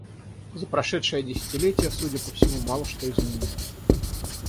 За прошедшее десятилетие, судя по всему, мало что изменилось.